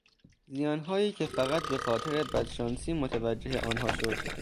زیانهایی که فقط به خاطر بدشانسی متوجه آنها شد.